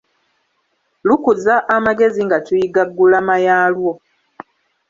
Lukuza amagezi nga tuyiga ggulama yaalwo.